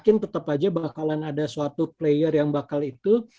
itu aja bakalan ada suatu player yang bakal itu